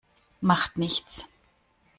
Macht nichts.